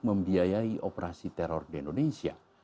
membiayai operasi teror di indonesia